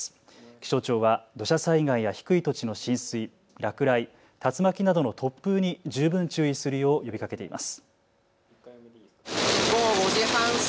気象庁は土砂災害や低い土地の浸水、落雷、竜巻などの突風に十分注意するよう呼びかけています。